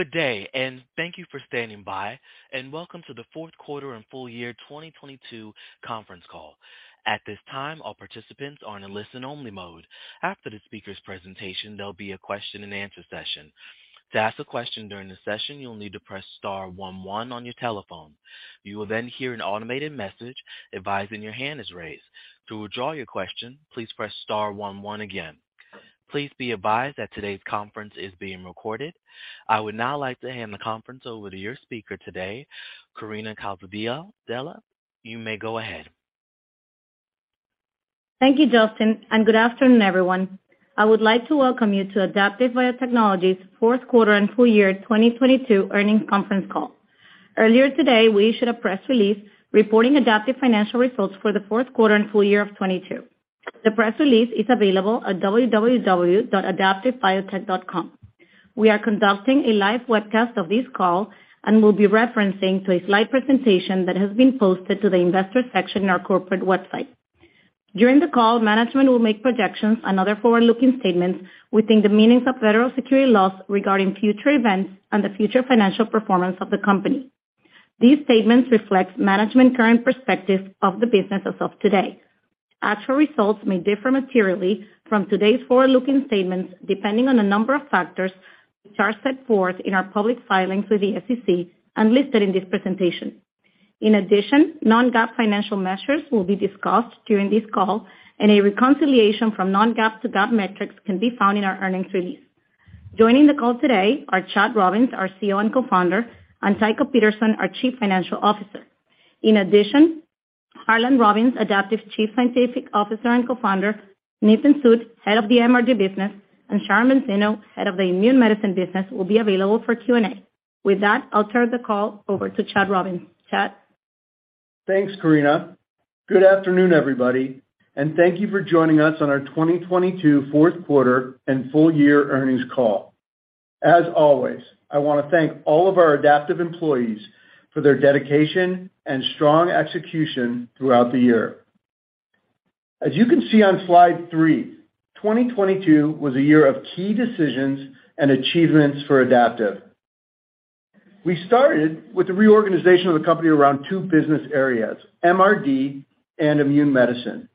Good day, thank you for standing by, welcome to the fourth quarter and full year 2022 conference call. At this time, all participants are in a listen-only mode. After the speaker's presentation, there'll be a question-and-answer session. To ask a question during the session, you'll need to press star one one on your telephone. You will hear an automated message advising your hand is raised. To withdraw your question, please press star one one again. Please be advised that today's conference is being recorded. I would now like to hand the conference over to your speaker today, Karina Calzadilla. Della, you may go ahead. Thank you, Justin. Good afternoon, everyone. I would like to welcome you to Adaptive Biotechnologies fourth quarter and full year 2022 earnings conference call. Earlier today, we issued a press release reporting Adaptive financial results for the fourth quarter and full year of 22. The press release is available at www.adaptivebiotech.com. We are conducting a live webcast of this call and will be referencing to a slide presentation that has been posted to the investor section on our corporate website. During the call, management will make projections and other forward-looking statements within the meanings of federal security laws regarding future events and the future financial performance of the company. These statements reflect management current perspective of the business as of today. Actual results may differ materially from today's forward-looking statements depending on a number of factors which are set forth in our public filings with the SEC and listed in this presentation. In addition, non-GAAP financial measures will be discussed during this call, and a reconciliation from non-GAAP to GAAP metrics can be found in our earnings release. Joining the call today are Chad Robins, our CEO and co-founder, and Tycho Peterson, our Chief Financial Officer. In addition, Harlan Robins, Adaptive's Chief Scientific Officer and co-founder, Nitin Sood, Head of the MRD Business, and Sharon Benzeno, Head of the Immune Medicine Business, will be available for Q&A. With that, I'll turn the call over to Chad Robins. Chad? Thanks, Karina. Good afternoon, everybody. Thank you for joining us on our 2022 fourth quarter and full year earnings call. As always, I wanna thank all of our Adaptive employees for their dedication and strong execution throughout the year. As you can see on slide 3, 2022 was a year of key decisions and achievements for Adaptive. We started with the reorganization of the company around 2 business areas, MRD and Immune Medicine.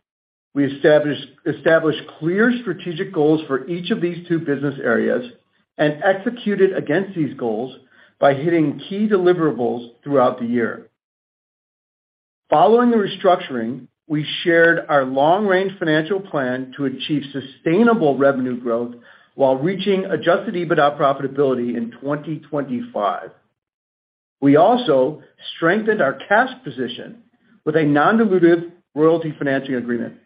We established clear strategic goals for each of these 2 business areas, executed against these goals by hitting key deliverables throughout the year. Following the restructuring, we shared our long-range financial plan to achieve sustainable revenue growth while reaching adjusted EBITDA profitability in 2025. We also strengthened our cash position with a non-dilutive royalty financing agreement.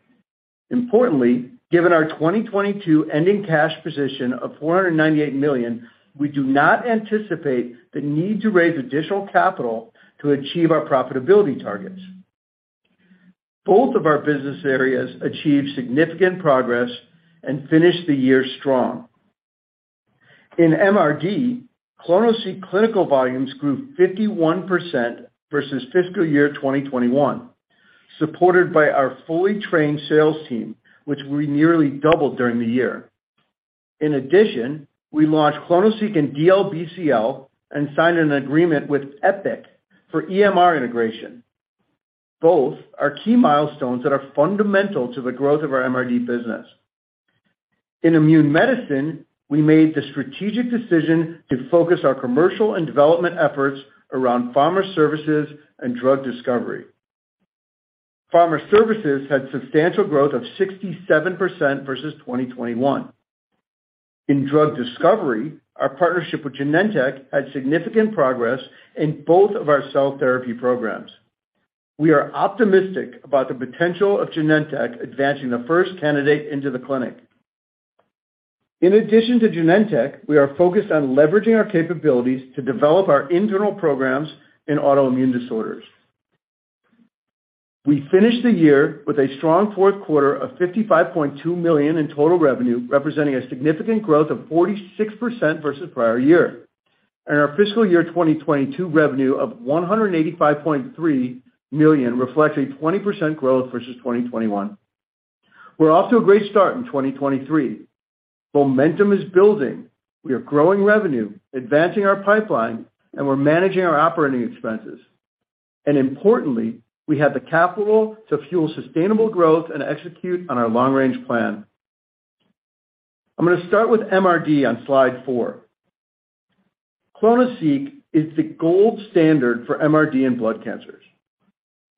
Importantly, given our 2022 ending cash position of $498 million, we do not anticipate the need to raise additional capital to achieve our profitability targets. Both of our business areas achieved significant progress and finished the year strong. In MRD, clonoSEQ clinical volumes grew 51% versus fiscal year 2021, supported by our fully trained sales team, which we nearly doubled during the year. In addition, we launched clonoSEQ in DLBCL and signed an agreement with Epic for EMR integration. Both are key milestones that are fundamental to the growth of our MRD business. In immune medicine, we made the strategic decision to focus our commercial and development efforts around pharma services and drug discovery. Pharma services had substantial growth of 67% versus 2021. In drug discovery, our partnership with Genentech had significant progress in both of our cell therapy programs. We are optimistic about the potential of Genentech advancing the first candidate into the clinic. In addition to Genentech, we are focused on leveraging our capabilities to develop our internal programs in autoimmune disorders. We finished the year with a strong fourth quarter of $55.2 million in total revenue, representing a significant growth of 46% versus prior year. Our fiscal year 2022 revenue of $185.3 million reflects a 20% growth versus 2021. We're off to a great start in 2023. Momentum is building. We are growing revenue, advancing our pipeline, and we're managing our operating expenses. Importantly, we have the capital to fuel sustainable growth and execute on our long-range plan. I'm gonna start with MRD on slide four. clonoSEQ is the gold standard for MRD in blood cancers.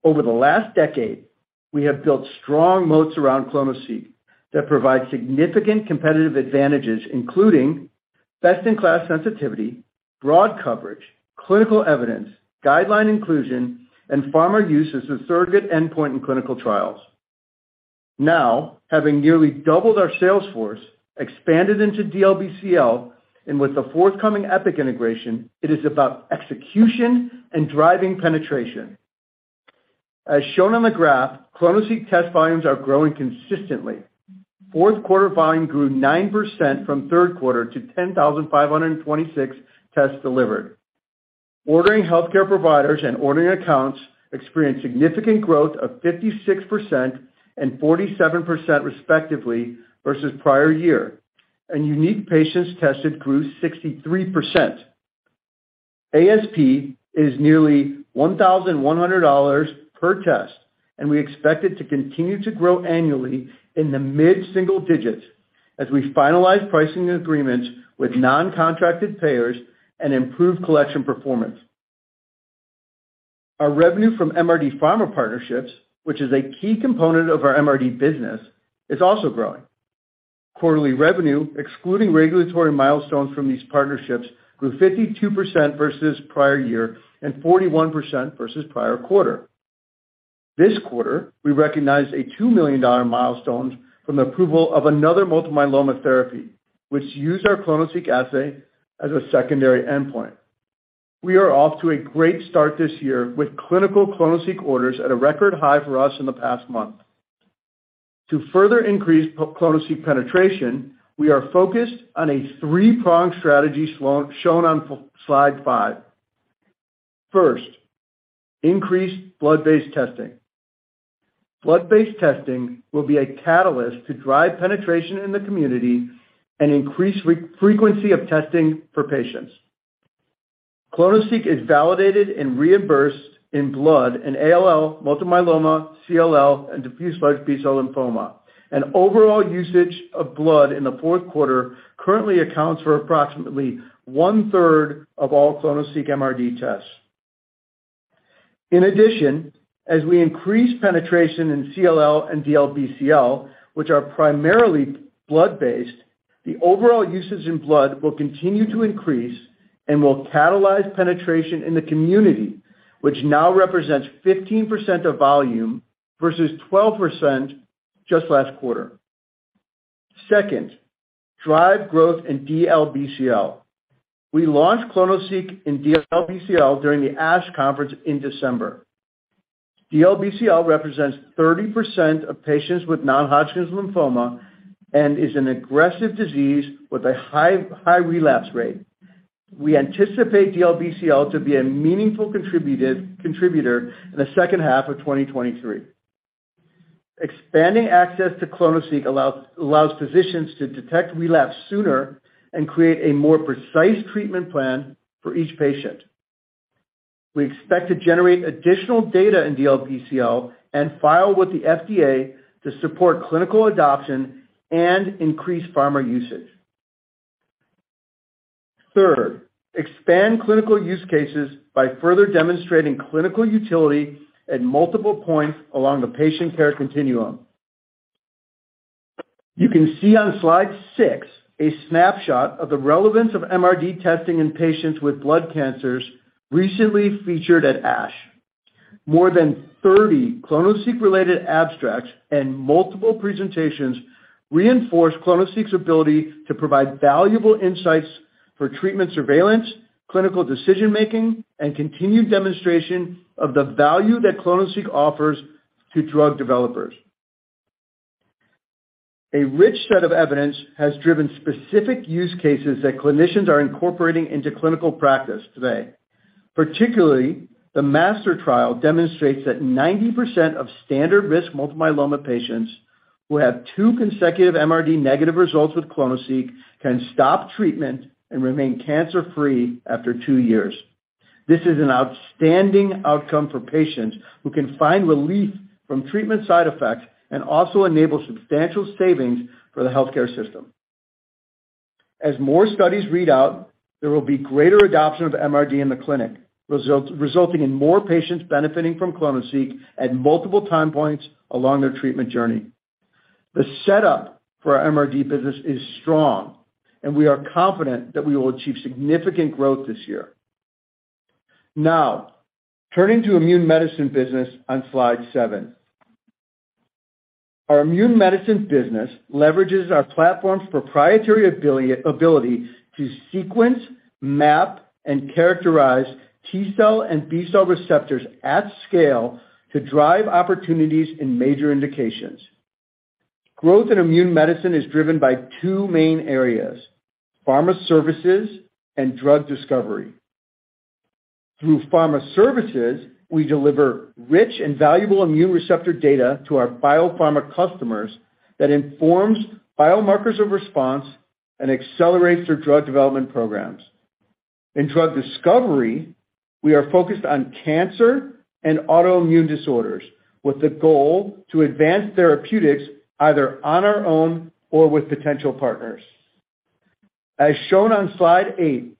Over the last decade, we have built strong moats around clonoSEQ that provide significant competitive advantages, including best-in-class sensitivity, broad coverage, clinical evidence, guideline inclusion, and pharma use as a surrogate endpoint in clinical trials. Now, having nearly doubled our sales force, expanded into DLBCL, and with the forthcoming Epic integration, it is about execution and driving penetration. As shown on the graph, clonoSEQ test volumes are growing consistently. Fourth quarter volume grew 9% from third quarter to 10,526 tests delivered. Ordering healthcare providers and ordering accounts experienced significant growth of 56% and 47% respectively versus prior year, and unique patients tested grew 63%. ASP is nearly $1,100 per test, and we expect it to continue to grow annually in the mid-single digits as we finalize pricing agreements with non-contracted payers and improve collection performance. Our revenue from MRD pharma partnerships, which is a key component of our MRD business, is also growing. Quarterly revenue, excluding regulatory milestones from these partnerships, grew 52% versus prior year and 41% versus prior quarter. This quarter, we recognized a $2 million milestone from the approval of another multiple myeloma therapy, which used our clonoSEQ assay as a secondary endpoint. We are off to a great start this year with clinical clonoSEQ orders at a record high for us in the past month. To further increase clonoSEQ penetration, we are focused on a three-pronged strategy shown on slide 5. First, increase blood-based testing. Blood-based testing will be a catalyst to drive penetration in the community and increase frequency of testing for patients. clonoSEQ is validated and reimbursed in blood in ALL, multiple myeloma, CLL, and diffuse large B-cell lymphoma. Overall usage of blood in the fourth quarter currently accounts for approximately one-third of all ClonoSEQ MRD tests. In addition, as we increase penetration in CLL and DLBCL, which are primarily blood-based, the overall usage in blood will continue to increase and will catalyze penetration in the community, which now represents 15% of volume versus 12% just last quarter. Second, drive growth in DLBCL. We launched ClonoSEQ in DLBCL during the ASH conference in December. DLBCL represents 30% of patients with non-Hodgkin's lymphoma and is an aggressive disease with a high relapse rate. We anticipate DLBCL to be a meaningful contributor in the second half of 2023. Expanding access to ClonoSEQ allows physicians to detect relapse sooner and create a more precise treatment plan for each patient. We expect to generate additional data in DLBCL and file with the FDA to support clinical adoption and increase pharma usage. Third, expand clinical use cases by further demonstrating clinical utility at multiple points along the patient care continuum. You can see on slide six a snapshot of the relevance of MRD testing in patients with blood cancers recently featured at ASH. More than 30 clonoSEQ-related abstracts and multiple presentations reinforced clonoSEQ's ability to provide valuable insights for treatment surveillance, clinical decision-making, and continued demonstration of the value that clonoSEQ offers to drug developers. A rich set of evidence has driven specific use cases that clinicians are incorporating into clinical practice today. Particularly, the MASTER trial demonstrates that 90% of standard risk multiple myeloma patients who have two consecutive MRD-negative results with clonoSEQ can stop treatment and remain cancer-free after two years. This is an outstanding outcome for patients who can find relief from treatment side effects and also enable substantial savings for the healthcare system. As more studies read out, there will be greater adoption of MRD in the clinic, resulting in more patients benefiting from clonoSEQ at multiple time points along their treatment journey. The setup for our MRD business is strong, and we are confident that we will achieve significant growth this year. Turning to immune medicine business on slide seven. Our immune medicine business leverages our platform's proprietary ability to sequence, map, and characterize T-cell and B-cell receptors at scale to drive opportunities in major indications. Growth in immune medicine is driven by two main areas: pharma services and drug discovery. Through pharma services, we deliver rich and valuable immune receptor data to our biopharma customers that informs biomarkers of response and accelerates their drug development programs. In drug discovery, we are focused on cancer and autoimmune disorders, with the goal to advance therapeutics either on our own or with potential partners. As shown on slide eight,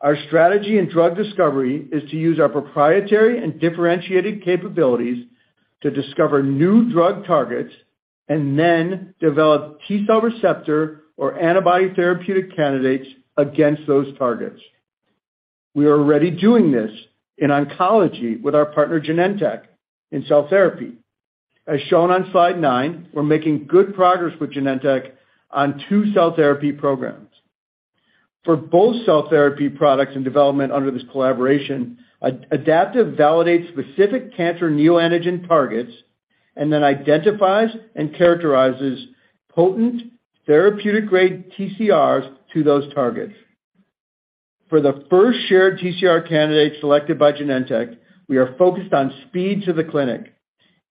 our strategy in drug discovery is to use our proprietary and differentiated capabilities to discover new drug targets and then develop T-cell receptor or antibody therapeutic candidates against those targets. We are already doing this in oncology with our partner Genentech in cell therapy. As shown on slide nine, we're making good progress with Genentech on two cell therapy programs. For both cell therapy products in development under this collaboration, Adaptive validates specific cancer neoantigen targets and then identifies and characterizes potent therapeutic grade TCRs to those targets. For the first shared TCR candidate selected by Genentech, we are focused on speed to the clinic.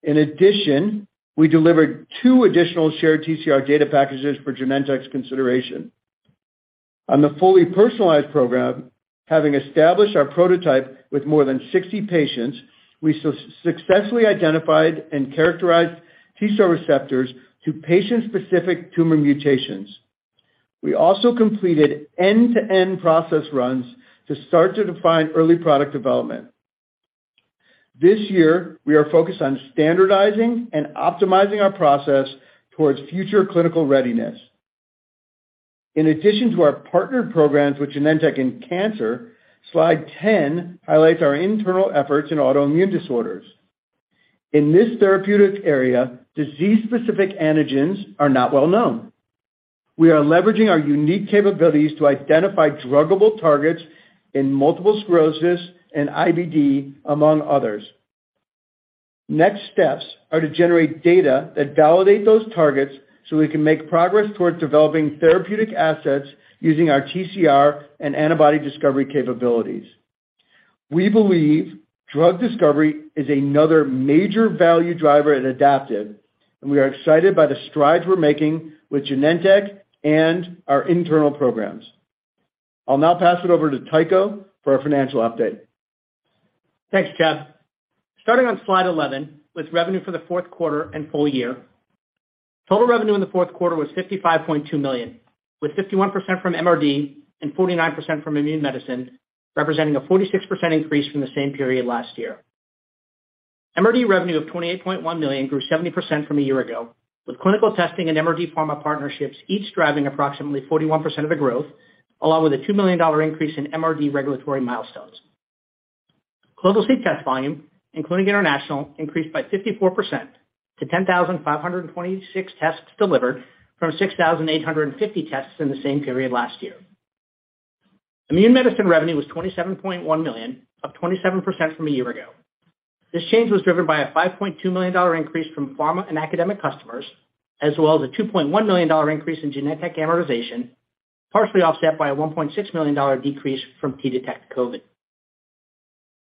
In addition, we delivered two additional shared TCR data packages for Genentech's consideration. On the fully personalized program, having established our prototype with more than 60 patients, we successfully identified and characterized T-cell receptors to patient-specific tumor mutations. We also completed end-to-end process runs to start to define early product development. This year, we are focused on standardizing and optimizing our process towards future clinical readiness. In addition to our partnered programs with Genentech in cancer, slide 10 highlights our internal efforts in autoimmune disorders. In this therapeutic area, disease-specific antigens are not well known. We are leveraging our unique capabilities to identify druggable targets in multiple sclerosis and IBD, among others. Next steps are to generate data that validate those targets, so we can make progress towards developing therapeutic assets using our TCR and antibody discovery capabilities. We believe drug discovery is another major value driver at Adaptive, and we are excited by the strides we're making with Genentech and our internal programs. I'll now pass it over to Tycho for our financial update. Thanks, Chad. Starting on slide 11 with revenue for the fourth quarter and full year. Total revenue in the fourth quarter was $55.2 million, with 51% from MRD and 49% from Immune Medicine, representing a 46% increase from the same period last year. MRD revenue of $28.1 million grew 70% from a year ago, with clinical testing and MRD pharma partnerships each driving approximately 41% of the growth, along with a $2 million increase in MRD regulatory milestones. clonoSEQ test volume, including international, increased by 54% to 10,526 tests delivered from 6,850 tests in the same period last year. Immune Medicine revenue was $27.1 million, up 27% from a year ago. This change was driven by a $5.2 million increase from pharma and academic customers, as well as a $2.1 million increase in Genentech amortization, partially offset by a $1.6 million decrease from T-Detect COVID.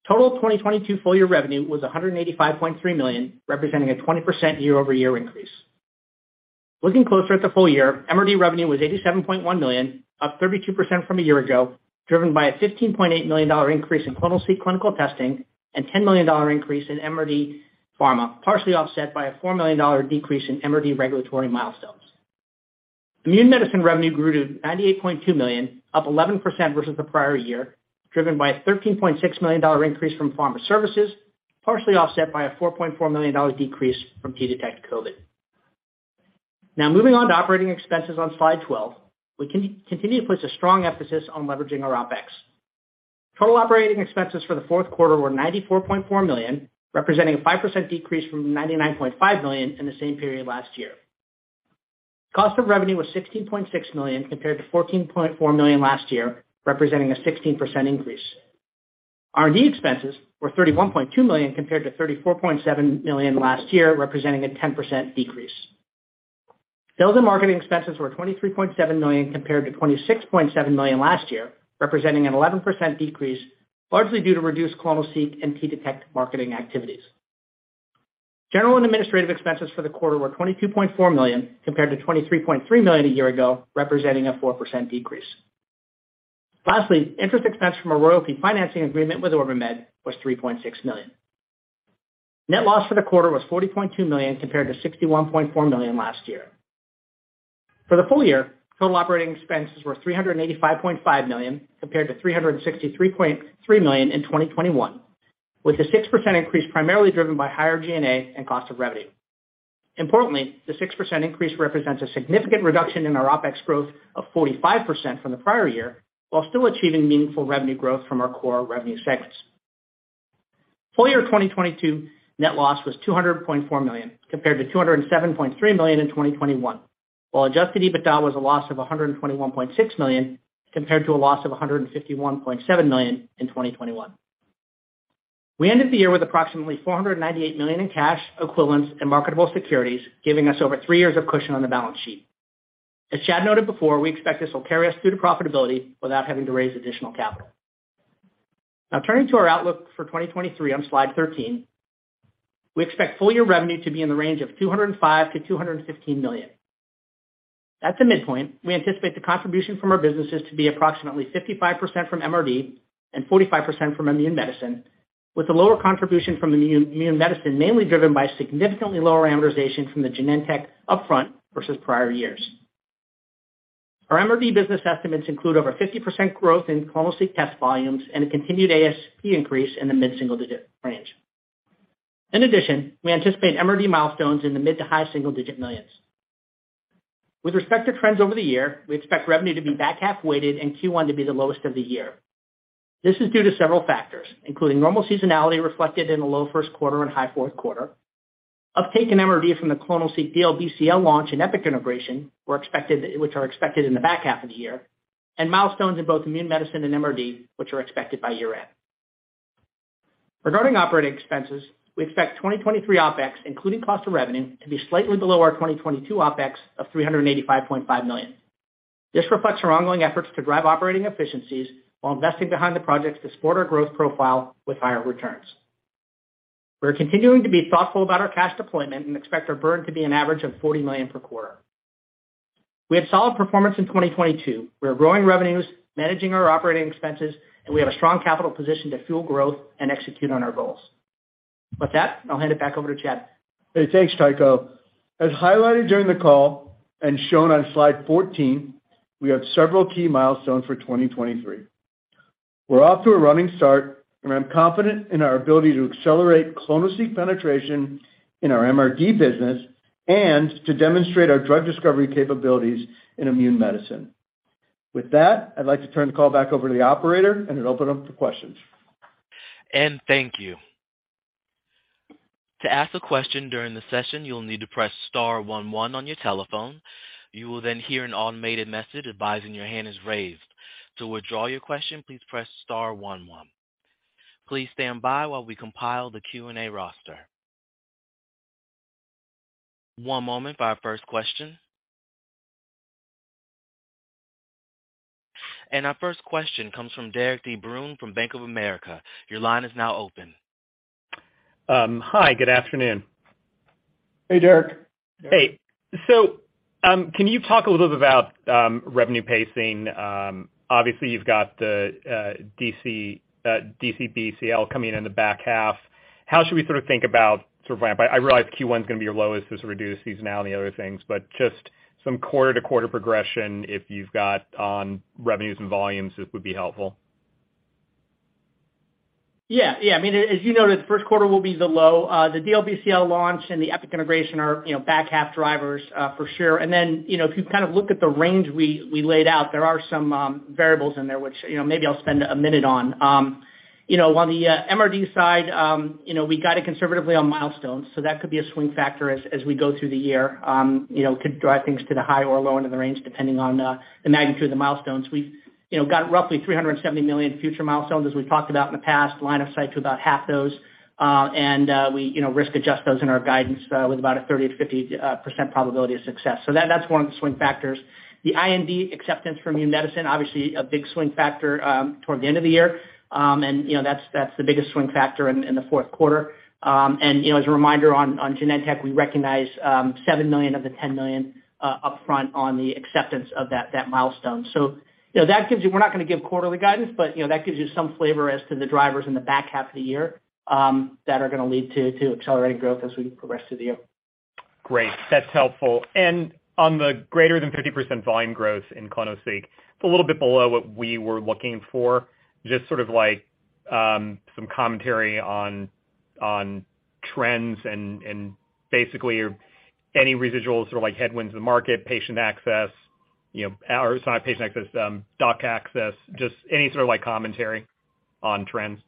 Total 2022 full year revenue was $185.3 million, representing a 20% year-over-year increase. Looking closer at the full year, MRD revenue was $87.1 million, up 32% from a year ago, driven by a $15.8 million increase in clonoSEQ clinical testing and $10 million increase in MRD pharma, partially offset by a $4 million decrease in MRD regulatory milestones. Immune Medicine revenue grew to $98.2 million, up 11% versus the prior year, driven by a $13.6 million increase from pharma services, partially offset by a $4.4 million decrease from T-Detect COVID. Moving on to operating expenses on slide 12, we continue to place a strong emphasis on leveraging our OpEx. Total operating expenses for the fourth quarter were $94.4 million, representing a 5% decrease from $99.5 million in the same period last year. Cost of revenue was $16.6 million compared to $14.4 million last year, representing a 16% increase. R&D expenses were $31.2 million compared to $34.7 million last year, representing a 10% decrease. Sales and marketing expenses were $23.7 million compared to $26.7 million last year, representing an 11% decrease, largely due to reduced clonoSEQ and T-Detect marketing activities. General and administrative expenses for the quarter were $22.4 million compared to $23.3 million a year ago, representing a 4% decrease. Lastly, interest expense from a royalty financing agreement with OrbiMed was $3.6 million. Net loss for the quarter was $42.2 million compared to $61.4 million last year. For the full year, total operating expenses were $385.5 million compared to $363.3 million in 2021, with the 6% increase primarily driven by higher G&A and cost of revenue. Importantly, the 6% increase represents a significant reduction in our OpEx growth of 45% from the prior year, while still achieving meaningful revenue growth from our core revenue segments. Full year 2022 net loss was $200.4 million, compared to $207.3 million in 2021. Adjusted EBITDA was a loss of $121.6 million, compared to a loss of $151.7 million in 2021. We ended the year with approximately $498 million in cash equivalents and marketable securities, giving us over three years of cushion on the balance sheet. As Chad noted before, we expect this will carry us through to profitability without having to raise additional capital. Turning to our outlook for 2023 on slide 13. We expect full year revenue to be in the range of $205 million-$215 million. At the midpoint, we anticipate the contribution from our businesses to be approximately 55% from MRD and 45% from Immune Medicine, with the lower contribution from Immune Medicine mainly driven by significantly lower amortization from the Genentech upfront versus prior years. Our MRD business estimates include over 50% growth in clonoSEQ test volumes and a continued ASP increase in the mid-single digit range. In addition, we anticipate MRD milestones in the $mid to high single digit millions. With respect to trends over the year, we expect revenue to be back-half weighted and Q1 to be the lowest of the year. This is due to several factors, including normal seasonality reflected in the low first quarter and high fourth quarter, uptake in MRD from the clonoSEQ DLBCL launch and Epic integration which are expected in the back half of the year. Milestones in both immune medicine and MRD, which are expected by year-end. Regarding operating expenses, we expect 2023 OpEx, including cost of revenue, to be slightly below our 2022 OpEx of $385.5 million. This reflects our ongoing efforts to drive operating efficiencies while investing behind the projects to support our growth profile with higher returns. We're continuing to be thoughtful about our cash deployment and expect our burn to be an average of $40 million per quarter. We had solid performance in 2022. We are growing revenues, managing our operating expenses, and we have a strong capital position to fuel growth and execute on our goals. With that, I'll hand it back over to Chad. Hey, thanks, Tycho. As highlighted during the call and shown on slide 14, we have several key milestones for 2023. We're off to a running start, and I'm confident in our ability to accelerate clonoSEQ penetration in our MRD business and to demonstrate our drug discovery capabilities in Immune Medicine. With that, I'd like to turn the call back over to the operator and then open up for questions. Thank you. To ask a question during the session, you'll need to press star one one on your telephone. You will hear an automated message advising your hand is raised. To withdraw your question, please press star one one. Please stand by while we compile the Q&A roster. One moment for our first question. Our first question comes from Derik De Bruin from Bank of America. Your line is now open. Hi, good afternoon. Hey, Derik. Hey. Can you talk a little bit about revenue pacing? Obviously you've got the DLBCL coming in the back half. How should we sort of think about ramp up? I realize Q1 is going to be your lowest, there's a reduced seasonality, other things, but just some quarter-to-quarter progression if you've got on revenues and volumes, this would be helpful. Yeah. Yeah. I mean, as you noted, the first quarter will be the low. The DLBCL launch and the Epic integration are you know back half drivers, for sure. Then you know if you kind of look at the range we laid out, there are some variables in there, which you know maybe I'll spend a minute on. You know on the MRD side you know we got it conservatively on milestones, so that could be a swing factor as we go through the year. You know could drive things to the high or low end of the range depending on the magnitude of the milestones. We've you know got roughly $370 million future milestones, as we've talked about in the past, line of sight to about half those. We you know risk adjust those in our guidance, with about a 30%-50% probability of success. That's one of the swing factors. The IND acceptance from Immune Medicine, obviously a big swing factor, toward the end of the year. You know that's the biggest swing factor in the fourth quarter. You know as a reminder on Genentech, we recognize, $7 million of the $10 million upfront on the acceptance of that milestone. You know that gives you we're not going to give quarterly guidance, but you know that gives you some flavor as to the drivers in the back half of the year, that are gonna lead to accelerated growth as we progress through the year. Great. That's helpful. On the greater than 50% volume growth in ClonoSEQ, it's a little bit below what we were looking for. Just sort of like, some commentary on trends and basically or any residuals or like headwinds in the market, patient access you know patient access, doc access, just any sort of like commentary on trends,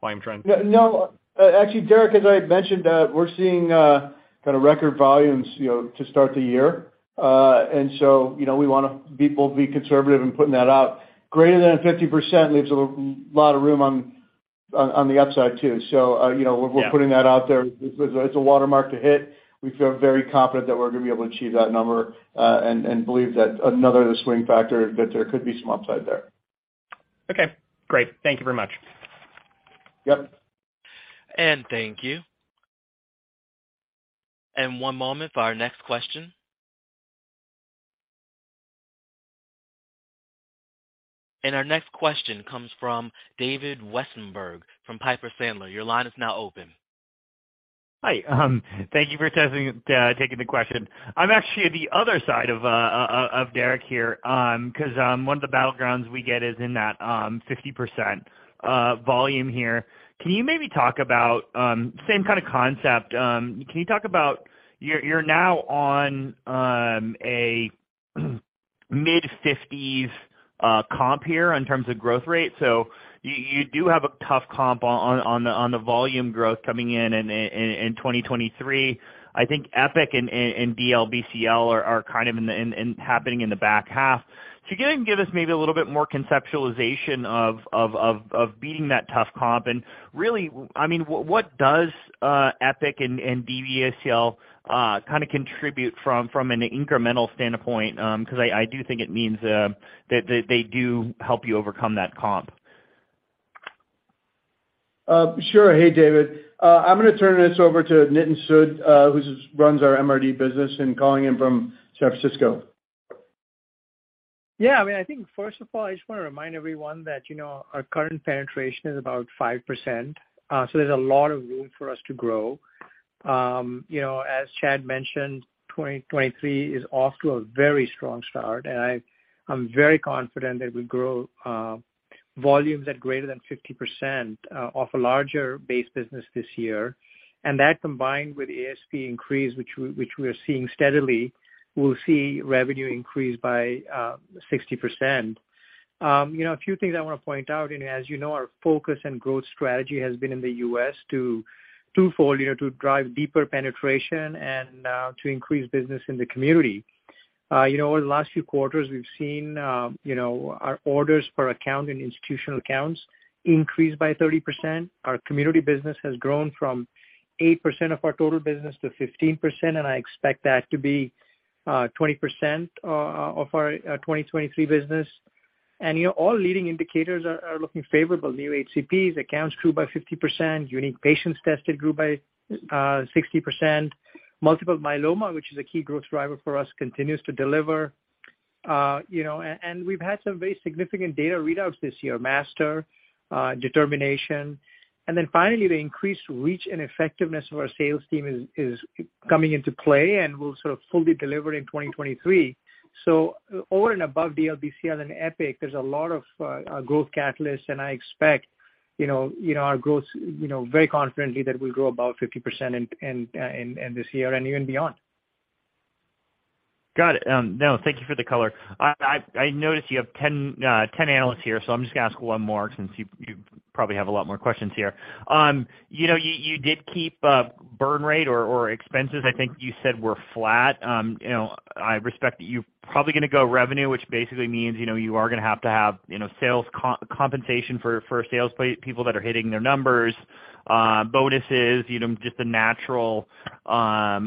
volume trends. No, actually, Derek, as I mentioned, we're seeing, kind of record volumes you know to start the year. You know we'll be conservative in putting that out. Greater than 50% leaves a lot of room on the upside too. You know. Yeah. we're putting that out there. It's a watermark to hit. We feel very confident that we're gonna be able to achieve that number, and believe that another swing factor that there could be some upside there. Okay, great. Thank you very much. Yep. Thank you. One moment for our next question. Our next question comes from David Westenberg from Piper Sandler. Your line is now open. Hi. Thank you for taking the question. I'm actually the other side of Derek here, 'cause one of the battlegrounds we get is in that 50% volume here. Can you maybe talk about same kind of concept. Can you talk about you're now on a mid-fifties comp here in terms of growth rate. You, you do have a tough comp on the volume growth coming in 2023. I think Epic and DLBCL are kind of happening in the back half. Can you give us maybe a little bit more conceptualization of beating that tough comp? Really, I mean, what does Epic and DLBCL kinda contribute from an incremental standpoint? 'Cause I do think it means that they do help you overcome that comp. Sure. Hey, David. I'm gonna turn this over to Nitin Sood, who runs our MRD business and calling in from San Francisco. Yeah. I mean, I think first of all, I just wanna remind everyone that you know our current penetration is about 5%, so there's a lot of room for us to grow. You know as Chad mentioned, 2023 is off to a very strong start, and I'm very confident that we grow volumes at greater than 50% off a larger base business this year. That combined with ASP increase, which we are seeing steadily, we'll see revenue increase by 60%. You know a few things I wanna point out. As you know our focus and growth strategy has been in the U.S. to twofold you know to drive deeper penetration and to increase business in the community. You know over the last few quarters, we've seen you know our orders per account in institutional accounts increase by 30%. Our community business has grown from 8% of our total business to 15%. I expect that to be 20% of our 2023 business. You know all leading indicators are looking favorable. New HCPs, accounts grew by 50%. Unique patients tested grew by 60%. Multiple myeloma, which is a key growth driver for us, continues to deliver. You know and we've had some very significant data readouts this year, MASTER, DETERMINATION. Finally, the increased reach and effectiveness of our sales team is coming into play and will sort of fully deliver in 2023. Over and above DLBCL and Epic, there's a lot of growth catalysts, and I expect you know our growth you know very confidently that we'll grow above 50% in this year and even beyond. Got it. now, thank you for the color. I noticed you have 10 analysts here, so I'm just gonna ask one more since you probably have a lot more questions here. you know you did keep burn rate or expenses, I think you said, were flat. you know I respect that you're probably gonna go revenue, which basically means, you know you are gonna have to have you know sales co-compensation for sales people that are hitting their numbers, bonuses you know just the natural cost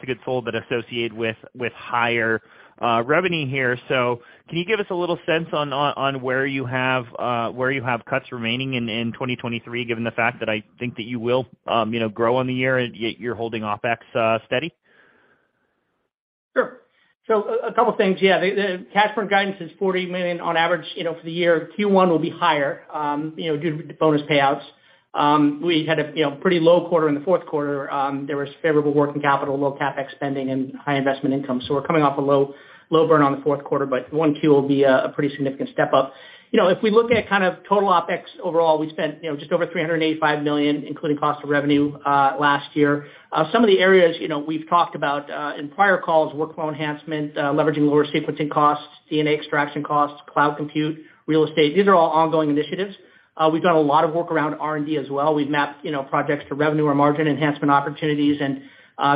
of goods sold that associated with higher revenue here. Can you give us a little sense on where you have, where you have cuts remaining in 2023, given the fact that I think that you will you know grow on the year and yet you're holding OpEx steady? Sure. A couple things. Yeah, the cash burn guidance is $40 million on average you know for the year. Q1 will be higher you know due to bonus payouts. We had a you know pretty low quarter in the fourth quarter. There was favorable working capital, low CapEx spending and high investment income. We're coming off a low, low burn on the fourth quarter, but one Q will be a pretty significant step up. You know if we look at kind of total OpEx overall, we spent you know just over $385 million, including cost of revenue last year. Some of the areas you know we've talked about in prior calls, workflow enhancement, leveraging lower sequencing costs, DNA extraction costs, cloud compute, real estate, these are all ongoing initiatives. We've done a lot of work around R&D as well. We've mapped you know projects to revenue or margin enhancement opportunities, and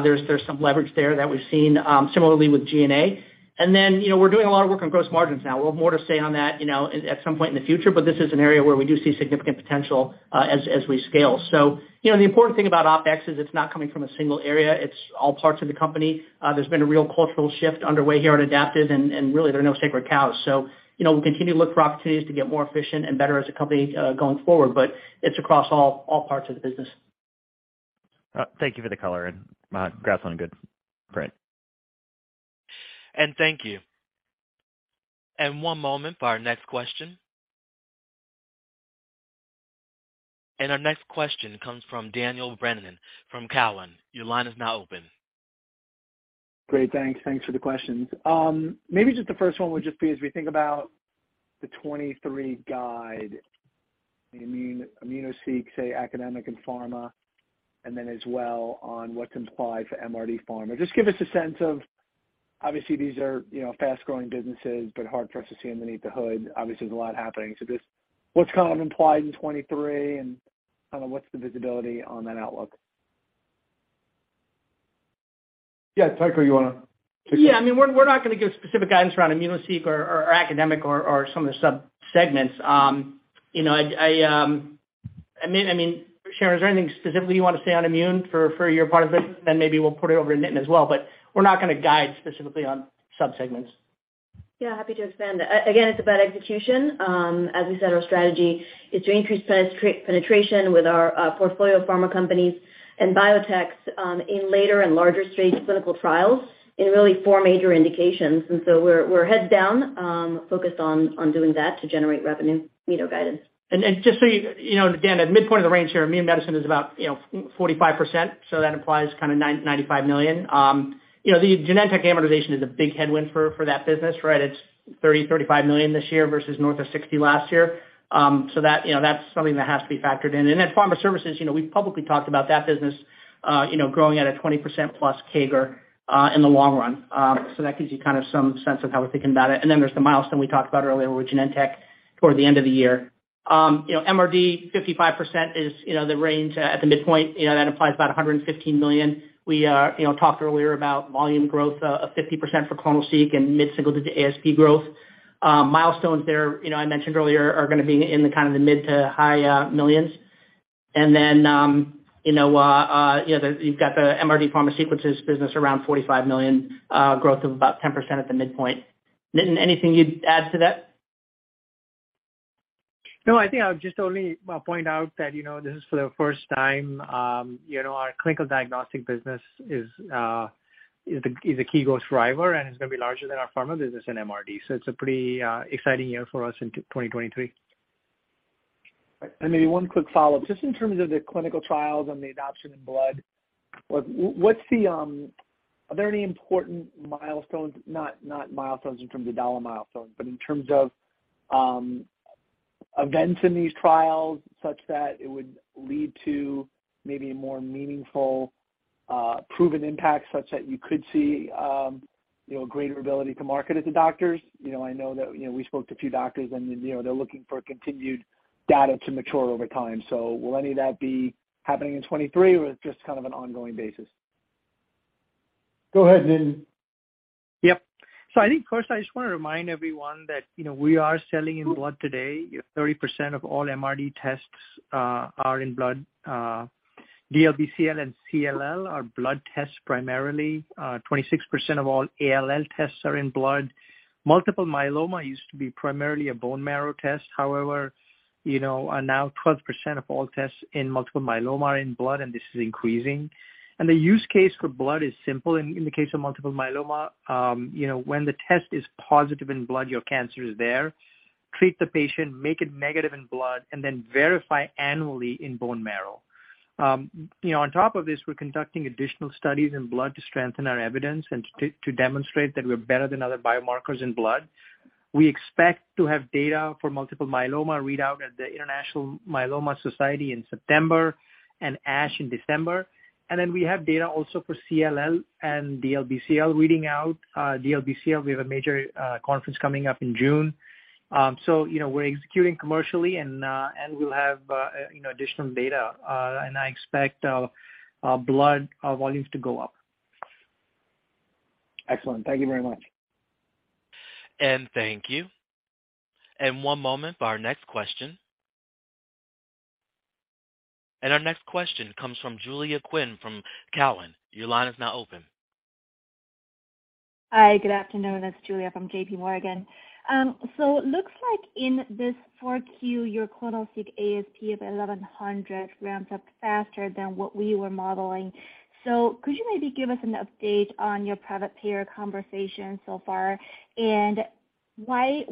there's some leverage there that we've seen, similarly with CLL. Then, you know we're doing a lot of work on gross margins now. We'll have more to say on that you know at some point in the future, but this is an area where we do see significant potential, as we scale. You know the important thing about OpEx is it's not coming from a single area, it's all parts of the company. There's been a real cultural shift underway here at Adaptive, and really, there are no sacred cows. You know we'll continue to look for opportunities to get more efficient and better as a company, going forward, but it's across all parts of the business. Thank you for the color and, congrats on a good print. Thank you. One moment for our next question. Our next question comes from Daniel Brennan from Cowen. Your line is now open. Great. Thanks. Thanks for the questions. maybe just the first one would just be, as we think about the 2023 guide, immunoSEQ, say, academic and pharma, and then as well on what's implied for MRD pharma. Just give us a sense of, obviously, these are you know fast-growing businesses, but hard for us to see underneath the hood. Obviously, there's a lot happening. Just what's kind of implied in 2023, and kind of what's the visibility on that outlook? Yeah, Tycho, you wanna take that? Yeah. I mean, we're not gonna give specific guidance around immunoSEQ or Academic or some of the sub-segments. you know I mean, Sharon, is there anything specifically you want to say on immune for your part of the business? Maybe we'll put it over to Nitin as well, but we're not gonna guide specifically on sub-segments. Yeah, happy to expand. again, it's about execution. As we said, our strategy is to increase penetration with our portfolio pharma companies and biotechs in later and larger stage clinical trials in really four major indications. We're heads down focused on doing that to generate revenue you kno guidance. Just so you... You know again, at midpoint of the range here, immune medicine is about you know 45%, so that implies kind of $995 million. The Genentech amortization is a big headwind for that business, right? It's $30 million-$35 million this year versus north of $60 million last year. That, you know that's something that has to be factored in. Then pharma services you know we've publicly talked about that business you know growing at a 20%+ CAGR in the long run. That gives you kind of some sense of how we're thinking about it. Then there's the milestone we talked about earlier with Genentech toward the end of the year. MRD 55% is you know the range at the midpoint. You know, that implies about $115 million. We you know talked earlier about volume growth of 50% for clonoSEQ and mid-single digit ASP growth. Milestones there you know I mentioned earlier, are gonna be in the kind of the mid to high millions. Then you know you've got the MRD pharma sequences business around $45 million, growth of about 10% at the midpoint. Nitin, anything you'd add to that? No, I think I'll just only point out that, you know, this is for the first time, you know, our clinical diagnostic business is a key growth driver and is gonna be larger than our pharma business in MRD. It's a pretty exciting year for us in 2023. Maybe one quick follow-up. Just in terms of the clinical trials and the adoption in blood, are there any important milestones, not milestones in terms of dollar milestones, but in terms of events in these trials such that it would lead to maybe a more meaningful proven impact, such that you could see, you know, a greater ability to market it to doctors? You know, I know that, you know, we spoke to a few doctors and, you know, they're looking for continued data to mature over time. Will any of that be happening in 23 or just kind of an ongoing basis? Go ahead, Nitin. Yep. I think first I just want to remind everyone that, you know, we are selling in blood today. 30% of all MRD tests are in blood. DLBCL and CLL are blood tests primarily. 26% of all ALL tests are in blood. Multiple myeloma used to be primarily a bone marrow test. However, you know, now 12% of all tests in multiple myeloma are in blood, and this is increasing. The use case for blood is simple in the case of multiple myeloma. You know, when the test is positive in blood, your cancer is there, treat the patient, make it negative in blood, and then verify annually in bone marrow. You know, on top of this, we're conducting additional studies in blood to strengthen our evidence and to demonstrate that we're better than other biomarkers in blood. We expect to have data for multiple myeloma readout at the International Myeloma Society in September and ASH in December. We have data also for CLL and DLBCL reading out. DLBCL, we have a major conference coming up in June. You know, we're executing commercially and we'll have, you know, additional data. I expect blood volumes to go up. Excellent. Thank you very much. Thank you. One moment for our next question. Our next question comes from Julia Cheng from Cowen. Your line is now open. Hi, good afternoon, it's Julia from JP Morgan. Looks like in this four Q, your clonoSEQ ASP of $1,100 ramps up faster than what we were modeling. Could you maybe give us an update on your private payer conversation so far? Why,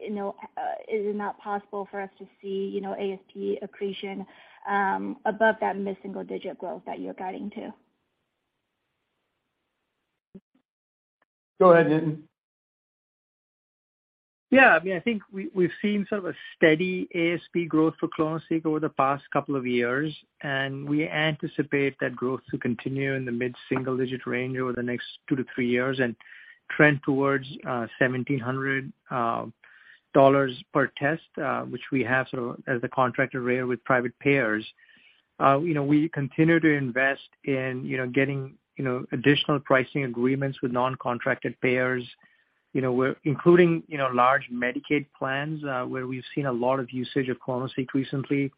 you know, is it not possible for us to see, you know, ASP accretion, above that mid-single-digit growth that you're guiding to? Go ahead, Nitin. I mean, I think we've seen sort of a steady ASP growth for clonoSEQ over the past couple of years. We anticipate that growth to continue in the mid-single digit range over the next 2 to 3 years and trend towards $1,700 per test, which we have sort of as the contract array with private payers. You know, we continue to invest in, you know, getting, you know, additional pricing agreements with non-contracted payers. You know, we're including, you know, large Medicaid plans, where we've seen a lot of usage of clonoSEQ recently.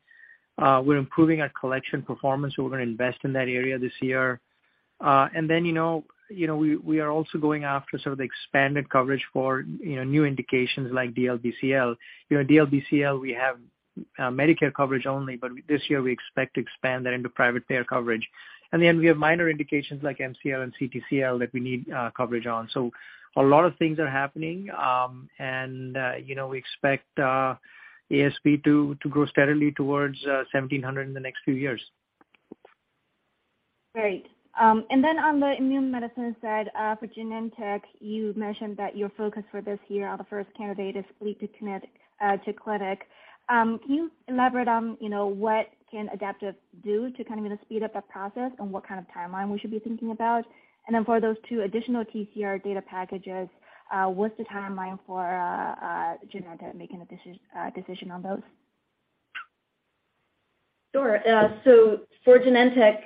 We're improving our collection performance, we're gonna invest in that area this year. You know, you know, we are also going after sort of the expanded coverage for, you know, new indications like DLBCL. You know, DLBCL, we have Medicare coverage only. This year we expect to expand that into private payer coverage. We have minor indications like MCL and CTCL that we need coverage on. A lot of things are happening. You know, we expect ASP to grow steadily towards $1,700 in the next few years. Great. Then on the immune medicine side, for Genentech, you mentioned that your focus for this year on the first candidate is fit-to-clinic. Can you elaborate on, you know, what can Adaptive do to kind of speed up that process and what kind of timeline we should be thinking about? Then for those two additional TCR data packages, what's the timeline for Genentech making a decision on those? Sure. For Genentech,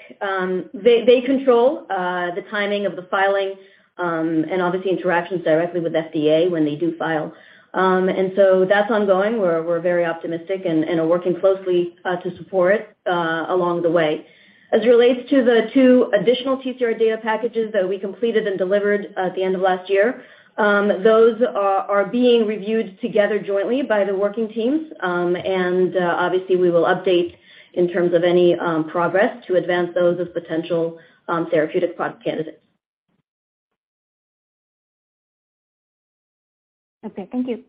they control the timing of the filing, and obviously interactions directly with FDA when they do file. That's ongoing. We're very optimistic and are working closely to support along the way. As it relates to the two additional TCR data packages that we completed and delivered at the end of last year, those are being reviewed together jointly by the working teams. Obviously we will update in terms of any progress to advance those as potential therapeutic product candidates. Okay. Thank you.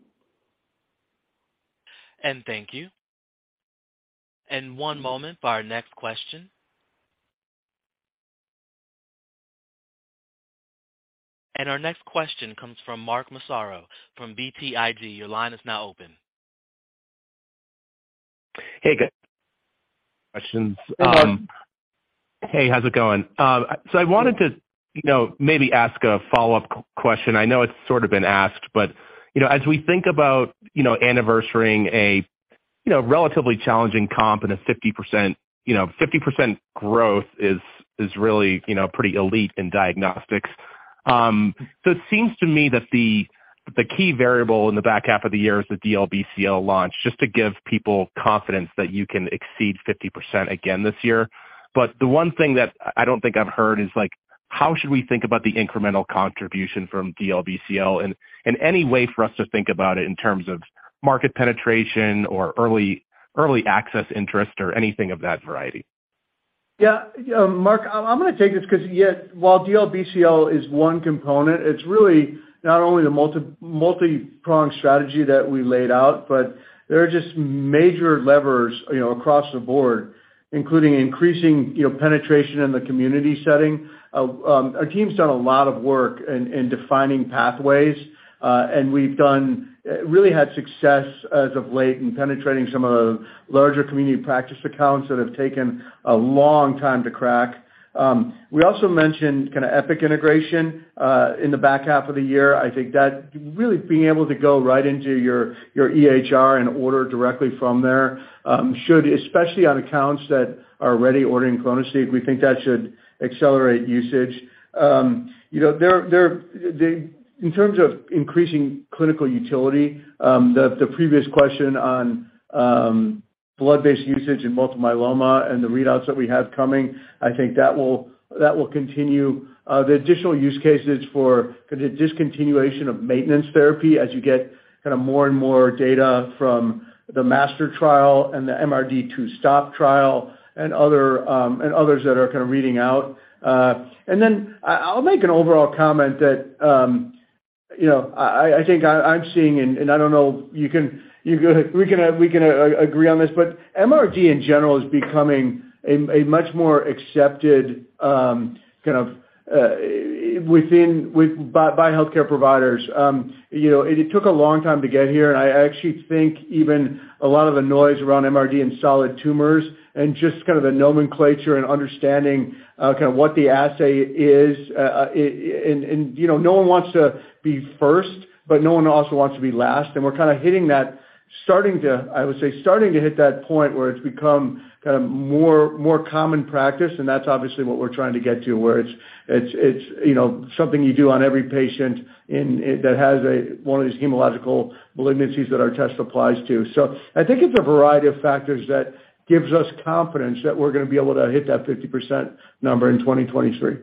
Thank you. One moment for our next question. Our next question comes from Mark Massaro from BTIG. Your line is now open. Hey. Questions. Hey, how's it going? I wanted to, you know, maybe ask a follow-up question. I know it's sort of been asked, as we think about, you know, anniversarying a, you know, relatively challenging comp and a 50% growth is really, you know, pretty elite in diagnostics. It seems to me that the key variable in the back half of the year is the DLBCL launch, just to give people confidence that you can exceed 50% again this year. The one thing that I don't think I've heard is like, how should we think about the incremental contribution from DLBCL and any way for us to think about it in terms of market penetration or early access interest or anything of that variety? Yeah. Mark, I'm gonna take this 'cause yet while DLBCL is one component, it's really not only the multi-pronged strategy that we laid out. There are just major levers, you know, across the board, including increasing, you know, penetration in the community setting. Our team's done a lot of work in defining pathways, and we've really had success as of late in penetrating some of the larger community practice accounts that have taken a long time to crack. We also mentioned kinda Epic integration in the back half of the year. I think that really being able to go right into your EHR and order directly from there, should, especially on accounts that are already ordering ClonoSEQ, we think that should accelerate usage. You know, in terms of increasing clinical utility, the previous question on Blood-based usage in multiple myeloma and the readouts that we have coming, I think that will continue. The additional use cases for the discontinuation of maintenance therapy as you get kind of more and more data from the MASTER trial and the MRD2STOP trial and other, and others that are kind of reading out. I'll make an overall comment that, you know, I think I'm seeing, and I don't know you can, we can agree on this, but MRD in general is becoming a much more accepted, kind of, by healthcare providers. You know, it took a long time to get here, and I actually think even a lot of the noise around MRD and solid tumors and just kind of the nomenclature and understanding, kind of what the assay is. You know, no one wants to be first, but no one also wants to be last. We're kinda hitting that, starting to, I would say, starting to hit that point where it's become kind of more, more common practice, and that's obviously what we're trying to get to, where it's, it's, you know, something you do on every patient that has one of these hematological malignancies that our test applies to. I think it's a variety of factors that gives us confidence that we're gonna be able to hit that 50% number in 2023.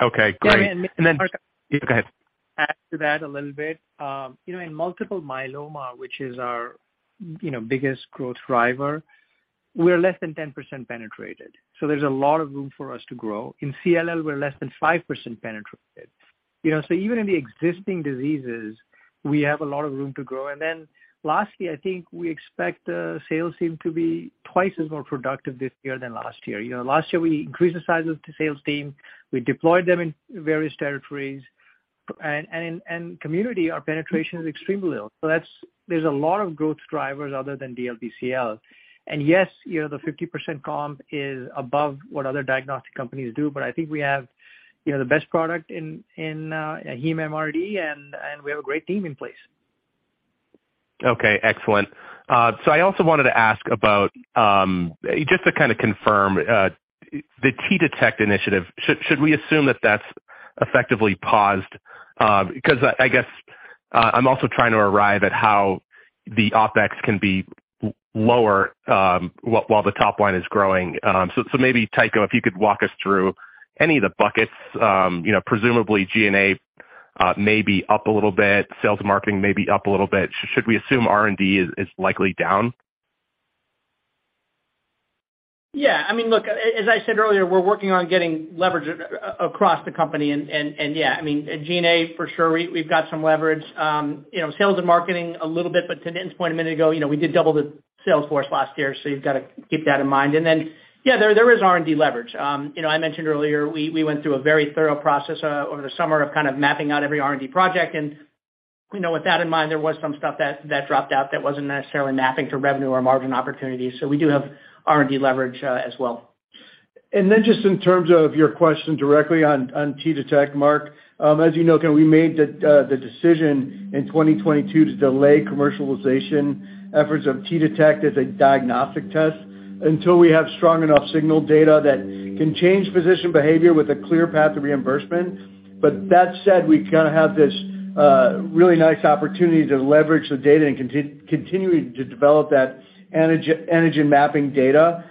Okay, great. And then- And then- Go ahead. Yeah, go ahead. Add to that a little bit. You know, in multiple myeloma, which is our, you know, biggest growth driver, we're less than 10% penetrated, so there's a lot of room for us to grow. In CLL, we're less than 5% penetrated. You know, even in the existing diseases, we have a lot of room to grow. Lastly, I think we expect sales team to be 2x more productive this year than last year. You know, last year we increased the size of the sales team, we deployed them in various territories. In community, our penetration is extremely little. That's, there's a lot of growth drivers other than DLBCL. Yes, you know, the 50% comp is above what other diagnostic companies do, but I think we have, you know, the best product in heme MRD and we have a great team in place. Okay, excellent. I also wanted to ask about, just to kind of confirm, the T-Detect initiative. Should we assume that that's effectively paused? 'Cause I guess, I'm also trying to arrive at how the OpEx can be lower, while the top line is growing. Maybe, Tycho, if you could walk us through any of the buckets, you know, presumably G&A, may be up a little bit, sales marketing may be up a little bit. Should we assume R&D is likely down? Yeah. I mean, look, as I said earlier, we're working on getting leverage across the company and yeah, I mean, G&A for sure, we've got some leverage. You know, sales and marketing a little bit, but to Nitin's point a minute ago, you know, we did double the sales force last year, so you've gotta keep that in mind. Yeah, there is R&D leverage. You know, I mentioned earlier, we went through a very thorough process over the summer of kind of mapping out every R&D project. You know, with that in mind, there was some stuff that dropped out that wasn't necessarily mapping to revenue or margin opportunities. We do have R&D leverage as well. Just in terms of your question directly on T-Detect, Mark, as you know, kind of we made the decision in 2022 to delay commercialization efforts of T-Detect as a diagnostic test until we have strong enough signal data that can change physician behavior with a clear path to reimbursement. That said, we kinda have this really nice opportunity to leverage the data and continuing to develop that antigen mapping data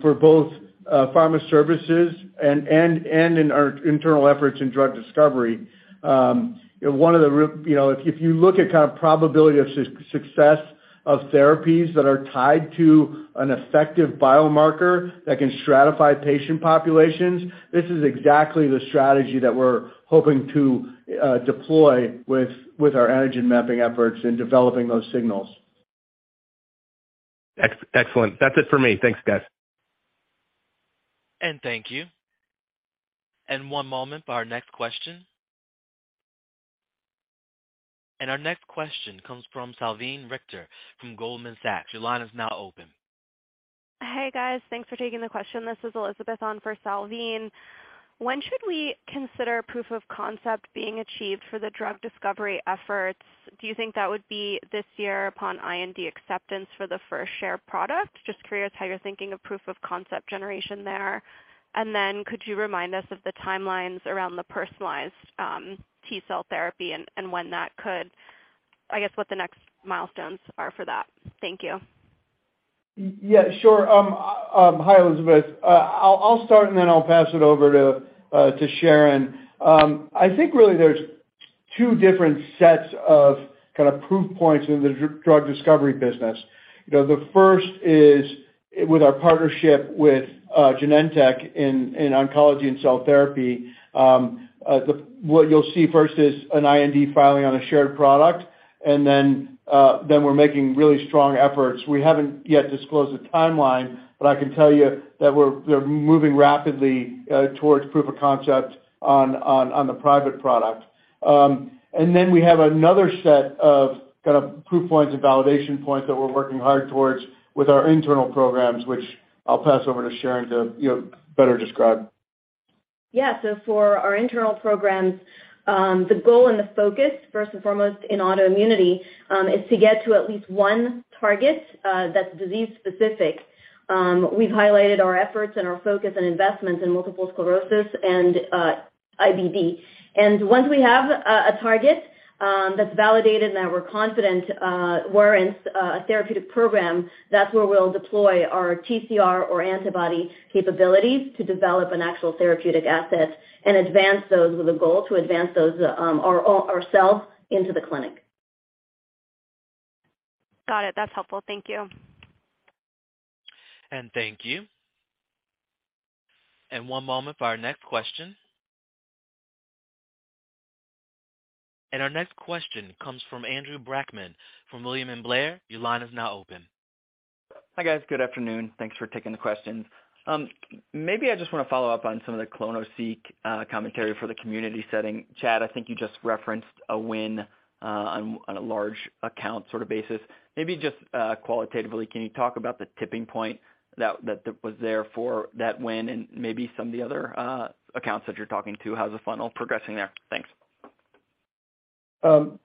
for both pharma services and in our internal efforts in drug discovery. One of the you know, if you look at kind of probability of success of therapies that are tied to an effective biomarker that can stratify patient populations, this is exactly the strategy that we're hoping to deploy with our antigen mapping efforts in developing those signals. Excellent. That's it for me. Thanks, guys. Thank you. One moment for our next question. Our next question comes from Salveen Richter from Goldman Sachs. Your line is now open. Hey, guys. Thanks for taking the question. This is Elizabeth on for Salveen. When should we consider proof of concept being achieved for the drug discovery efforts? Do you think that would be this year upon IND acceptance for the first share product? Just curious how you're thinking of proof of concept generation there. Could you remind us of the timelines around the personalized T-cell therapy and I guess, what the next milestones are for that? Thank you. Yeah, sure. Hi, Elizabeth. I'll start and then I'll pass it over to Sharon. I think really there's two different sets of kind of proof points in the drug discovery business. You know, the first is with our partnership with Genentech in oncology and cell therapy. What you'll see first is an IND filing on a shared product, then we're making really strong efforts. We haven't yet disclosed a timeline, but I can tell you that we're moving rapidly towards proof of concept on the private product. We have another set of kind of proof points and validation points that we're working hard towards with our internal programs, which I'll pass over to Sharon to, you know, better describe. Yeah. For our internal programs, the goal and the focus, first and foremost in autoimmunity, is to get to at least one target that's disease specific. We've highlighted our efforts and our focus and investments in multiple sclerosis and IBD. Once we have a target That's validated and that we're confident, we're in a therapeutic program, that's where we'll deploy our TCR or antibody capabilities to develop an actual therapeutic asset and advance those with a goal to advance those, ourselves into the clinic. Got it. That's helpful. Thank you. Thank you. One moment for our next question. Our next question comes from Andrew Brackmann from William Blair. Your line is now open. Hi, guys. Good afternoon. Thanks for taking the question. Maybe I just wanna follow up on some of the clonoSEQ commentary for the community setting. Chad, I think you just referenced a win on a large account sort of basis. Maybe just qualitatively, can you talk about the tipping point that was there for that win and maybe some of the other accounts that you're talking to? How's the funnel progressing there? Thanks.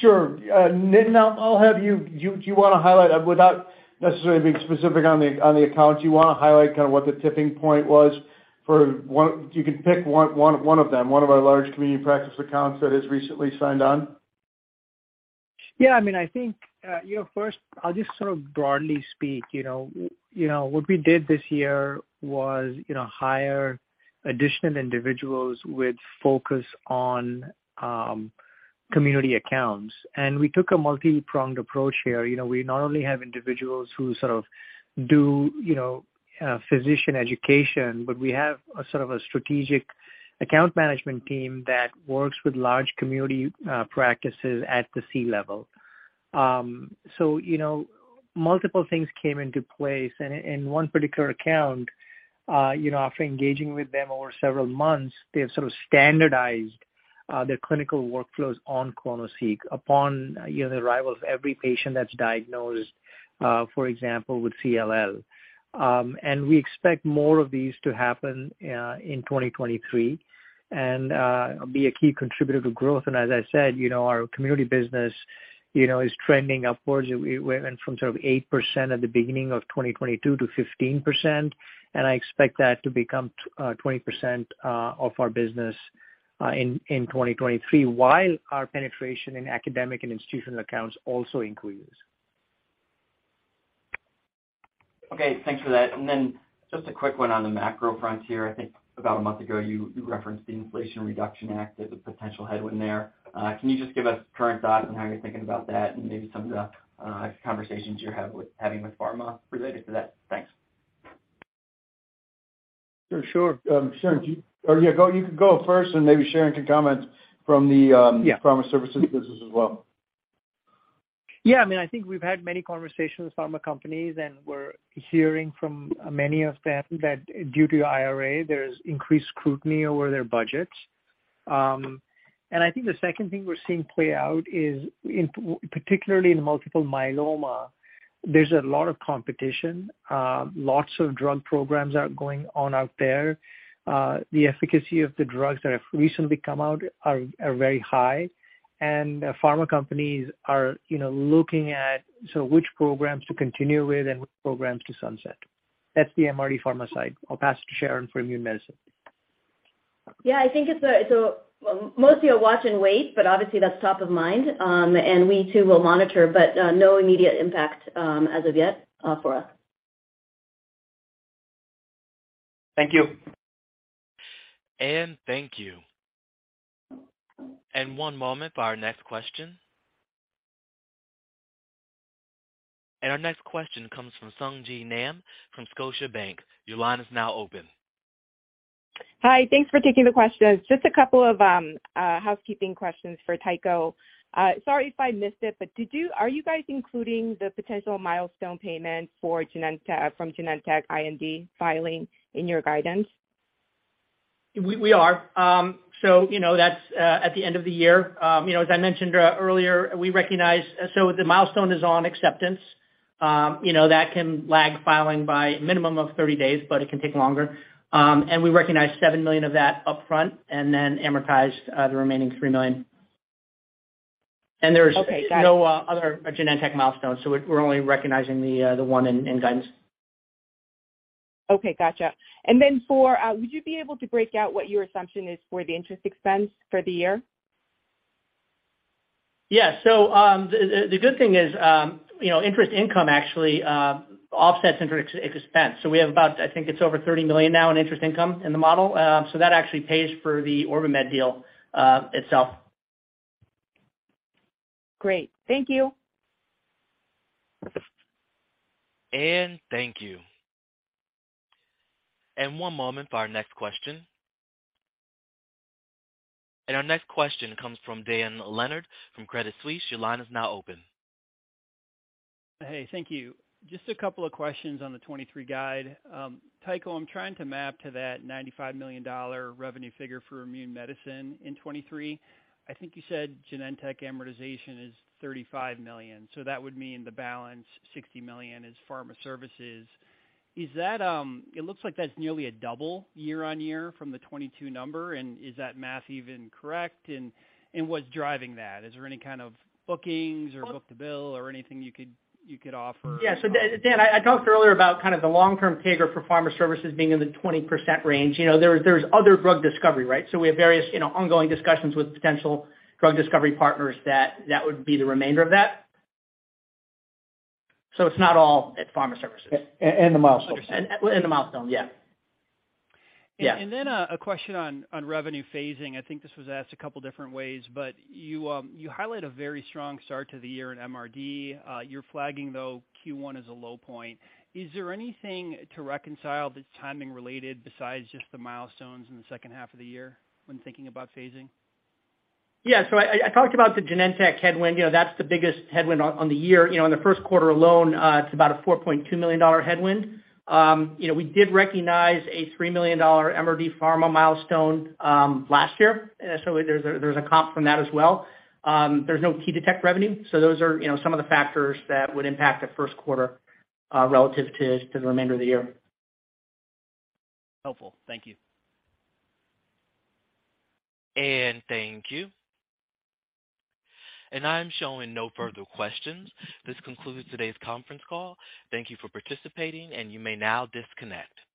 Sure. Nitin, I'll have you. Do you wanna highlight, without necessarily being specific on the accounts, you wanna highlight kind of what the tipping point was for one, if you can pick one of them, one of our large community practice accounts that has recently signed on? Yeah, I mean, I think, you know, first I'll just sort of broadly speak, you know. You know, what we did this year was, you know, hire additional individuals with focus on community accounts. We took a multi-pronged approach here. You know, we not only have individuals who sort of do, you know, physician education, but we have a sort of a strategic account management team that works with large community practices at the C-level. You know, multiple things came into place and in one particular account, you know, after engaging with them over several months, they have sort of standardized their clinical workflows on clonoSEQ upon, you know, the arrival of every patient that's diagnosed, for example, with CLL. We expect more of these to happen in 2023 and be a key contributor to growth. As I said, you know, our community business, you know, is trending upwards. We went from sort of 8% at the beginning of 2022 to 15%, and I expect that to become 20% of our business in 2023, while our penetration in academic and institutional accounts also increases. Okay. Thanks for that. Just a quick one on the macro frontier. I think about a month ago you referenced the Inflation Reduction Act as a potential headwind there. Can you just give us current thoughts on how you're thinking about that and maybe some of the conversations you're having with pharma related to that? Thanks. Sure. Sure. Sharon, you can go first and maybe Sharon can comment from the. Yeah. pharma services business as well. Yeah, I mean, I think we've had many conversations with pharma companies, we're hearing from many of them that due to IRA, there's increased scrutiny over their budgets. I think the second thing we're seeing play out is particularly in multiple myeloma, there's a lot of competition. Lots of drug programs are going on out there. The efficacy of the drugs that have recently come out are very high. Pharma companies are, you know, looking at which programs to continue with and which programs to sunset. That's the MRD pharma side. I'll pass it to Sharon for immune medicine. Yeah. I think it's mostly a watch and wait, but obviously that's top of mind. We too will monitor, but no immediate impact as of yet for us. Thank you. Thank you. One moment for our next question. Our next question comes from Sung Ji Nam from Scotiabank. Your line is now open. Hi. Thanks for taking the questions. Just a couple of housekeeping questions for Tycho. Sorry if I missed it, but are you guys including the potential milestone payment from Genentech IND filing in your guidance? We are. You know, that's at the end of the year. You know, as I mentioned earlier, we recognize... The milestone is on acceptance. You know, that can lag filing by minimum of 30 days, but it can take longer. We recognize $7 million of that upfront and then amortize the remaining $3 million. There's. Okay. Got it. no other Genentech milestones, so we're only recognizing the one in guidance. Okay. Gotcha. For, would you be able to break out what your assumption is for the interest expense for the year? Yeah. The good thing is, you know, interest income actually offsets interest expense. We have about I think it's over $30 million now in interest income in the model. That actually pays for the OrbiMed deal itself. Great. Thank you. Thank you. One moment for our next question. Our next question comes from Dan Leonard from Credit Suisse. Your line is now open. Hey. Thank you. Just a couple of questions on the 23 guide. Tycho, I'm trying to map to that $95 million revenue figure for immune medicine in 23. I think you said Genentech amortization is $35 million, that would mean the balance $60 million is pharma services. Is that? It looks like that's nearly a double year-over-year from the 22 number. Is that math even correct? What's driving that? Is there any kind of bookings or book to bill or anything you could offer? Dan, I talked earlier about kind of the long-term CAGR for pharma services being in the 20% range. You know, there is other drug discovery, right? We have various, you know, ongoing discussions with potential drug discovery partners that would be the remainder of that. It's not all at pharma services. The milestones. the milestones, yeah. Yeah. A question on revenue phasing. I think this was asked a couple different ways, you highlight a very strong start to the year in MRD. You're flagging though Q1 as a low point. Is there anything to reconcile that's timing related besides just the milestones in the second half of the year when thinking about phasing? Yeah. I talked about the Genentech headwind. You know, that's the biggest headwind on the year. You know, in the first quarter alone, it's about a $4.2 million headwind. You know, we did recognize a $3 million MRD pharma milestone last year. There's a comp from that as well. There's no T-Detect revenue, those are, you know, some of the factors that would impact the first quarter relative to the remainder of the year. Helpful. Thank you. Thank you. I'm showing no further questions. This concludes today's conference call. Thank you for participating, and you may now disconnect.